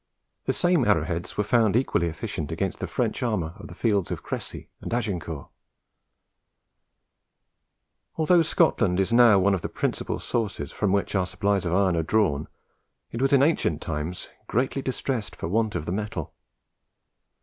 The same arrowheads were found equally efficient against French armour on the fields of Crecy and Agincourt. Although Scotland is now one of the principal sources from which our supplies of iron are drawn, it was in ancient times greatly distressed for want of the metal.